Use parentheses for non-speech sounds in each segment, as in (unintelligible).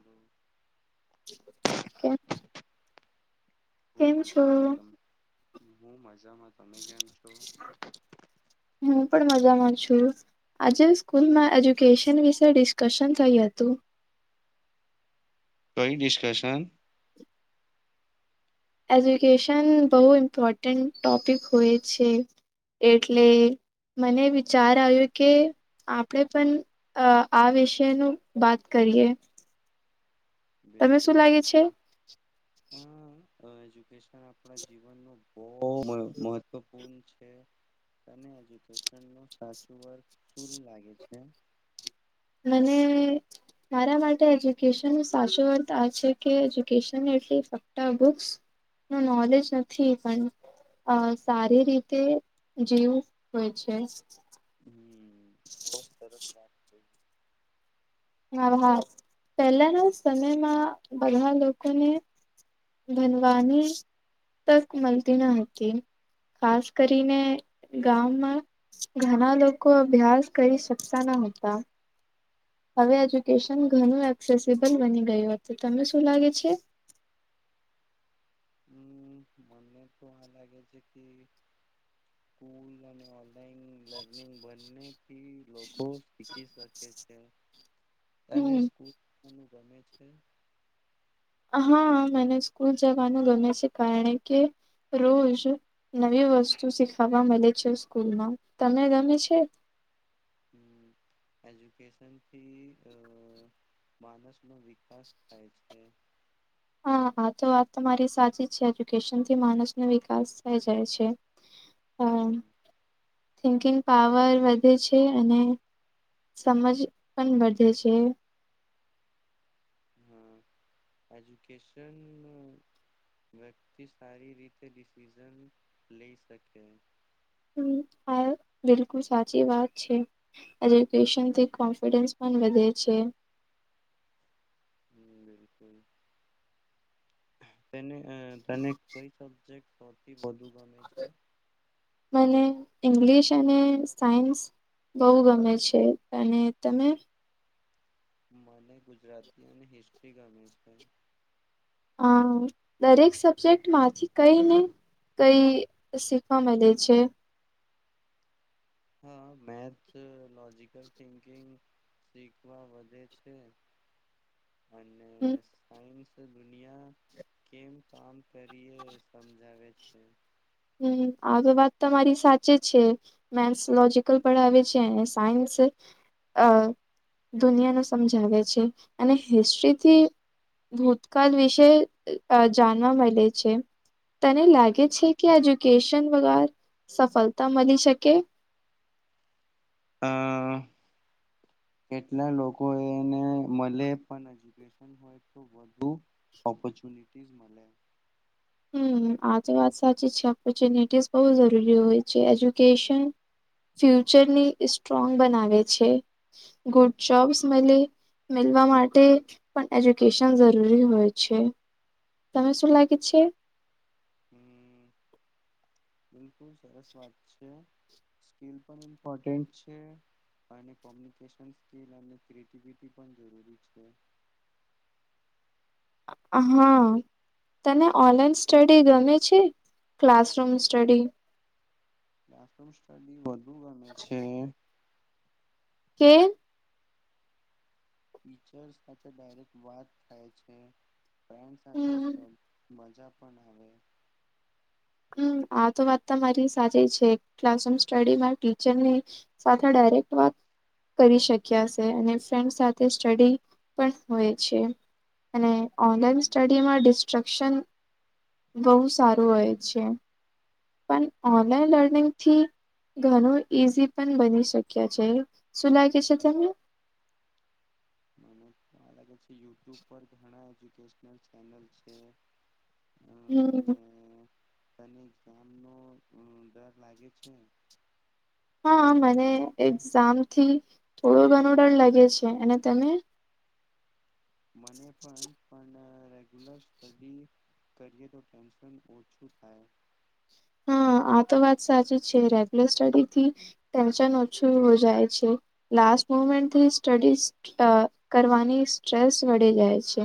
હમ. કેમ? હું કેમ છો? મજામાં, હું મજામાં. તમે કેમ છો? હું પણ મજામાં છું. આજે સ્કૂલમાં એજ્યુકેશન વિશે ડિસ્કશન થયું હતું. કઈ ડિસ્કશન? એજ્યુકેશન બહુ ઇમ્પોર્ટન્ટ ટોપિક હોય છે, એટલે. મને વિચાર આવ્યો કે. આપડે પણ આ વિષનું વાત કરીએ. તમે બિલકુલ, શું લાગે છે બિલકુલ, હ, એજ્યુકેશન આપણા જીવનનું ઓહ મહત્વ સાચુ અથ લાગે છે. મને. મારા માટે એજ્યુકેશન ન સાચો અર્થ આ છે કે, એજ્યુકેશન એટલી ફક્ત બુક્સ નોલેજ નથી, પણ અ સારી રીતે જેવું હોય છે. હમ. બહુ સરસ વાત થાય. હ, હાર પહેલાના સમયમાં બધા લોકોને ભણવાની તક મલતી ના હતી. ખાસ કરીને, ગામમાં ઘણા લોકો અભ્યાસ કરી શકતા નહતા. હવે હમ એજ્યુકેશન ઘણું એક્સેસિબલ બની ગયું હતું, તને શું લાગે છે? હમ, મને તો આ લાગે છે કે. (unintelligible) સ્કૂલ અને ઓનલાઈન લર્નિંગ બંનેથી લોકો શીખી શકે છે. હ. અને સ્કૂપું ગમે છે. હા, મેને સ્કૂલ જવાનું, ગરમે સે કારાણે કે રોજ નવી વસ્તુ શીખાવા મળે છે, સ્કૂલમાં તમે ગમે છે. હમ. એજ્યુકેશનથી માણસનો વિકાસ થાય છે. હા, હા, તો વાત તો મારી સાચી જ છે, એજ્યુકેશન થી માણસનો વિકાસ થઇ જાય છે. હા. હમ, થિંકિંગ પાવર વધે છે, અને સમજ પણ વધે છે. હા, એજુકેશન વ્યક્તિ સારી રીતે ડિસિઝન લઈ શકે. હમ, હા, બિલકુલ સાચી વાત છે. એજ્યુકેશનથી કોન્ફિડન્સ પણ વધે છે. હ, બિલકુલ, તેને તને કોઈ સબજેક્ટ સૌથી વધુ ગમે છે. મને ઇંગ્લિશ અને સાયન્સ બહુ ગમે છે, અને તમે મને ગુજરાતીઓની હિસ્ટ્રી ગામે જતા. હ, દરેક સબ્જેક્ટ માંથી કઈ ને કઈ શીખવા મળે છે. હા, મેથ્સ લોજકલ થિંકિંગ શીખવા વધે છે. (unintelligible) અને હમ સાયન્સ દુનિયા કેમ કામ કરીએ સમજાવે છે કે. હમ આતો વાત તમારી સાચી છે. મેથ્સ લોજીકલ ભણાવે છે અને સાયન્સ અ દુનિયાનું સમજાવે છે. અને હિસ્ટ્રીથી ભૂતકાલ વિશે અ જાનવા મળે છે. તને લાગે છે કે એજ્યુકેશન વગર સફળતા મળી શકે? અ (unintelligible) કેટલા લોકો એને મળે પણ એજ્યુકેશન હોય તો વધુ ઓપોર્ચુનિટીસ મળે. હમ આ તો વાત સાચી છે. ઓપોર્ચ્યુનિટી બહુ જરૂરી હોય છે. એજ્યુકેશન ફ્યુચરને સ્ટ્રોંગ બનાવે છે. ગુડ જોબ્સ મલે. મેલવા માટે પણ એજ્યુકેશન જરૂરી હોય છે. તમે શું લાગી છે? હમ બીલકુલ સરસ વાત છે. સ્કીલ પણ ઇમ્પોર્ટેન્ટ છે. અને કોમ્યુનિકેશન સ્કીલ અને ક્રિએટિવિટી પણ જરૂરી છે. હા. તને ઓનલાઈન સ્ટડી ગમે છે? Classroom study? ક્લાસરૂમ સ્ટડી વધુ ગમે છે. કેમ? ટીચરસ સાથે ડાયરેક્ટ વાત થાય છે. ફ્રેન્ડ સાથે હમ્મ તો મજા પણ આવે. હમ આ તો વાત તમારી સાચી છે. ક્લાસરૂમ સ્ટડીમાં ટીચરની સાથે ડાયરેક્ટ વાત કરી શક્યા છે. અને ફ્રેન્ડ સાથે સ્ટડી પણ હોય છે. અને ઓનલાઈન સ્ટડીમાં ડિસ્ટ્રક્શન બહુ સારું હોય છે. પણ ઓનલાઈન લર્નિંગથી ઘણું ઈઝી પણ બની શક્ય છે. શું લાગે છે તમને? મને લાગે છે યુટ્યુબ પર ઘણા એજ્યુકેશનલ ચેનલ છે. હમ અને તને એક્ઝામનો ડર લાગે છે? હા મને એક્ઝામથી થોડો ઘણો ડર લગે છે. અને તને? મને પણ પણ રેગ્યુલર સ્ટડી કરીએ તો ટેન્શન ઓછું થાય. હા આતો વાત સાચી છે. રેગ્યુલર સ્ટડીથી ટેન્શન ઓછું હો જાય છે. લાસ્ટ મુમેન્ટથી સ્ટડી કરવાની સ્ટ્રેસ વધી જાય છે.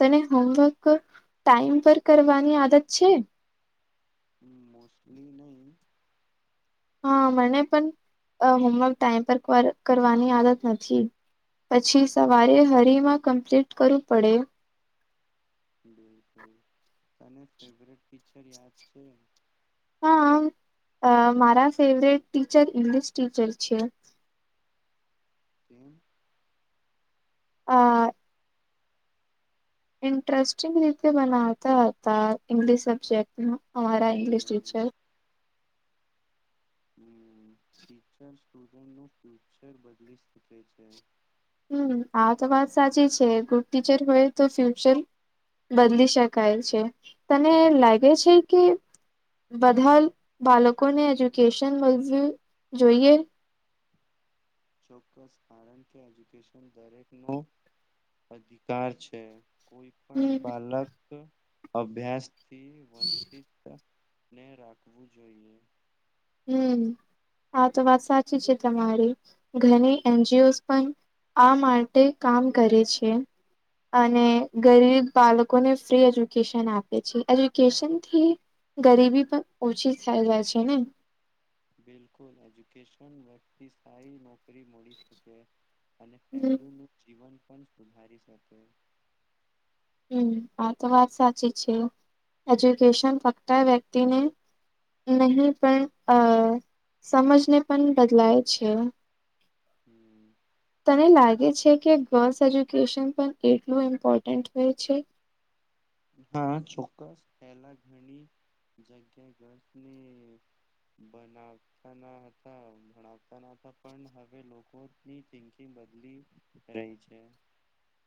તને હોમવર્ક ટાઈમ પર કરવાની આદત છે? હમ મોસ્ટલી નહીં. હા મને પણ હોમવર્ક ટાઈમ પર કરવાની આદત નથી. પછી સવારે હરીમાં કમ્પ્લીટ કરવું પડે. બિલકુલ. તને ફેવરેટ ટીચર યાદ છે? હા મારા ફેવરેટ ટીચર ઇંગલશ ટીચર છે. કેમ? આ ઇન્ટરેસ્ટિંગ રીતે બનાવતા હતા ઇંગ્લિશ સબ્જેક્ટમાં અમારા ઇંગ્લિશ ટીચર. હમ ટીચર સ્ટુડન્ટનું ફ્યુચર બદલી શકે છે. હમ આતો વાત સાચી છે. ગુડ ટીચર હોય તો ફ્યુચર બદલી શકાય છે. તને લાગે છે કે બધા બાલકોને એજ્યુકેશન મલવું જોઈએ? ચોક્કસ, કારણ કે એજ્યુકેશન દરેકનો અધિકાર છે. કોઈ પણ હમ બાળક અભ્યાસ થી વંચિત. ને રાખવું જોઈએ. હમ, આ તો વાત સાચી છે તમારી, ઘણી એનજીઓ પણ. આ માટે કામ કરે છે. અને ગરીબ બાળકોને ફ્રી એજ્યુકેશન આપે છે, એજ્યુકેશનથી. ગરીબી પણ ઓછી થઈ જાય છે ને. બિલકુલ, એજ્યુકેશન વ્યક્તિ સ્થાય નોકરી. નોકરી મળી શકે, અને હમ ફેમલી નું જીવન પણ સુધારી શકે. હમ, આ તો વાત સાચી છે, એજ્યુકેશન ફક્ત વ્યક્તિને. નહી પણ અ સમાજને પણ બદલાય છે. હમ. તને લાગે છે કે, ગર્લ્સ એજ્યુકેશન પણ કેટલું ઇમ્પોર્ટન્ટ હોય છે? હા, ચોક્કસ, પહેલા ઘણી જગ્યા ગર્લ્સ ને. બનાવે. ના હતા, ભણાવતા ના હતા, પણ હવે લોકોની થિંકિંગ બદલી. રહી છે.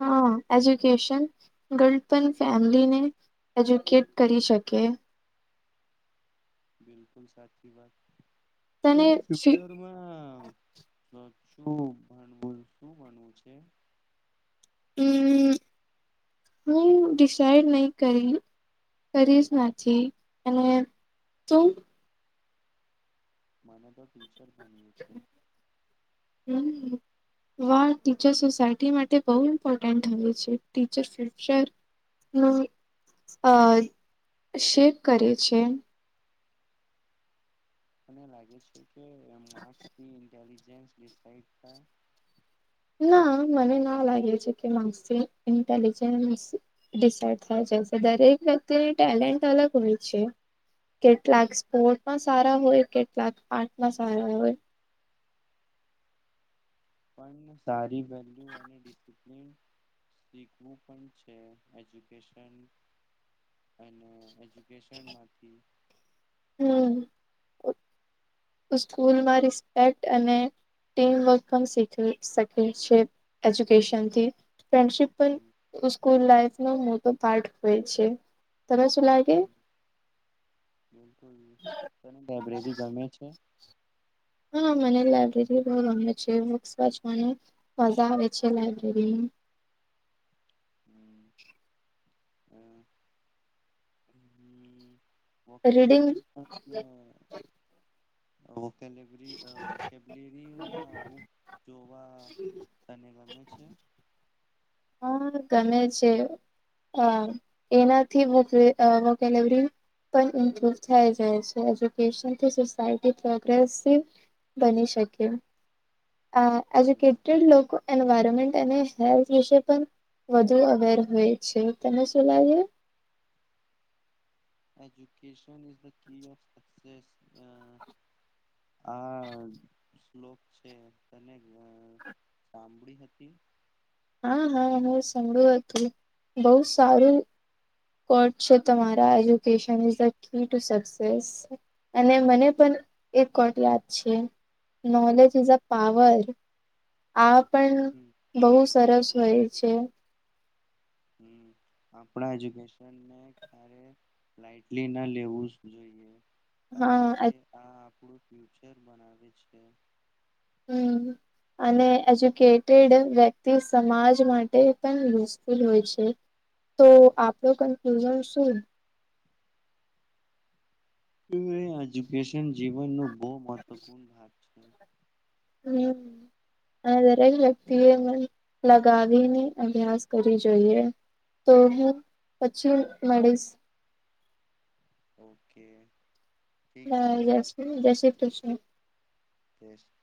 હા, એજ્યુકેશન. ગર્લ પણ ફેમલીને, એજ્યુકેટ કરી શકે. બિલકુ, લ સાચી વાત, તને અરે ફ્યુચર માં તો શું ભણવું? શું ભણવું છે? હમ, હું ડિસાઈડ નહી કરી. કરીશ, નાચી અને શું? મને તો ટીચર બનવું છે. હમ. વાહ ટીચર સોસાયટી માટે બહુ ઇમ્પોર્ટન્ટ હોય છે, ટીચર ફ્યુચર નું અ શેક કરે છે. મને લાગે છે કે, માર્ક્સ ઇન્ટેલજન્સ ના, મને ના લાગે છે કે, માસી ઇન્ટેલિજન્સ ડિસઇડ થાય જાય સે, દરેક વ્યક્તિની ટેલેન્ટ અલગ હોય છે. કેટલાક સ્પોર્ટમાં સારા હોય, કેટલાક આર્ટમાં સારા હોય. પણ સારી વેલ્યુ અને ડિસિપ્લિન. શીખવું પણ છે, એજ્યુકેશન અને એજ્યુકેશન માંથી હમ્મ. સ્કૂલમાં રિસ્પેક્ટ અને ટીમવર્ક પણ શીખવી શકે છે, એજ્યુકેશનથી ફ્રેન્ડશીપ પન સ્કૂલ લાઈફ નો મોટો પાર્ટ હોય છે, તમે શું લાઈક બિલકુલ, તને લાયબ્રેરી ગમે છે? હા, મને લઇબ્રેરી બહુ ગમે છે, બુક્સ મને મજા આવે છે લઇબ્રેરીની. હા, હા, હમ્મ. રીડિંગ વોકેબલરી (unintelligible) કેલેવરી વોકેબલરી ના બુક જો વા તને ગમે છે? હા, ગમે છે, એનાથી વોકે વોકેલેવરી પણ ઇમ્પ્રુવ થાય જાય છે, એજ્યુકેશનથી સોસાયટી પ્રોગ્રેસિવ. બની શકે, અ એજ્યુકેટેડ લોકો એન્વાયરમેન્ટ અને હેલ્થ વિશે પણ વધુ અવેર હોય છે, તને શું લાગે? Education is the key of success. આ શ્લોક છે તને. સાંભળી હતી હા હા હું સાંભળું હતું બહુ સારું કોટ છે તમારા education is the key to success અને મને પણ એક કોટ યાદ છે નોલેજ ઇઝ અ પાવર. આ પણ હમ્મ. બહુ સરસ હોય છે. હમ્મ આપણા એજ્યુકેશનને લાઈટલી ન લેવું જ જોઈએ. કારણ કે હા આ આપણું ફ્યુચર બનાવે છે. હમ્મ. અને એજ્યુકેટેડ વ્યક્તિ સમાજ માટે પણ યુઝફુલ હોય છે. તો આપનું કન્ફ્યુઝન શું એ એજુકેશન જીવનનો બહુ મહત્વપૂર્ણ ભાગ છે. હમ્મ. અને દરેક વ્યક્તિ એ મન લગાવીને અભ્યાસ કરી જોઈએ. તો હું પછી મળીશ ઓકે ઠીક હ છે જસ જય શ્રી કૃષ્ણ (unintelligible)